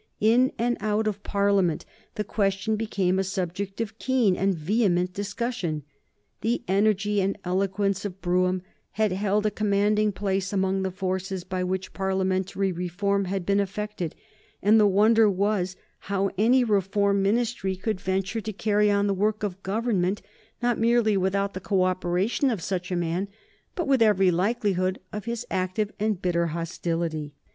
In and out of Parliament the question became a subject of keen and vehement discussion. The energy and the eloquence of Brougham had held a commanding place among the forces by which Parliamentary reform had been effected, and the wonder was how any Reform Ministry could venture to carry on the work of government, not merely without the co operation of such a man, but with every likelihood of his active and bitter hostility.